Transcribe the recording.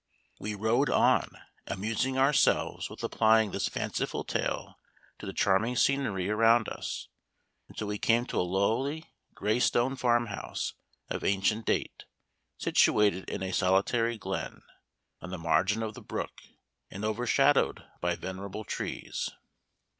We rode on amusing ourselves with applying this fanciful tale to the charming scenery around us, until we came to a lowly gray stone farmhouse, of ancient date, situated in a solitary glen, on the margin of the brook, and overshadowed by venerable trees.